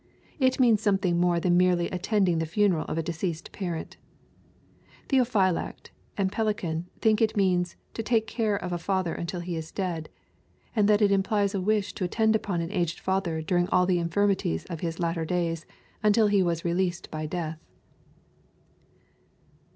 It means something more than merely attending the fimeral of a deceased parent Theophylact and Pellican think that it means, " to take care of a father until he is dead," and that it implies a wish to attend upon an aged father during all the infirmities of his latter days, untU he was released by deaOi.